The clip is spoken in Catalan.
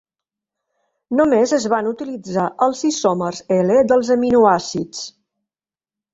Només es van utilitzar els isòmers L dels aminoàcids.